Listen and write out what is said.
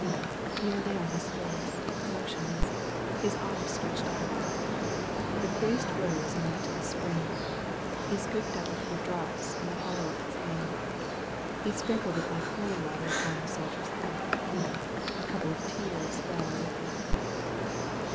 Pierre lay on his face, motionless, his arms stretched out. The priest rose and went to the spring. He scooped up a few drops in the hollow of hb hand. He sprinkled it like holy water upon the soldier's head. A couple of tears fell with it.